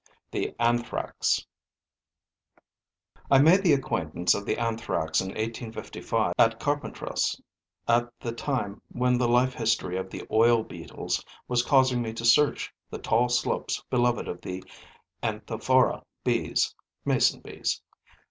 THE ANTHRAX I made the acquaintance of the Anthrax in 1855 at Carpentras, at the time when the life history of the oil beetles was causing me to search the tall slopes beloved of the Anthophora bees [mason bees].